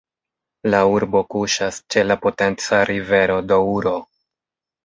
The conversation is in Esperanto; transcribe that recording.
La urbo kuŝas ĉe la potenca rivero Douro.